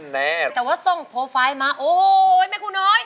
แต่ว่าส่งโปรไฟล์มาโอ้โฮเมฆูน้อย